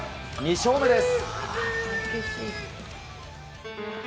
２勝目です。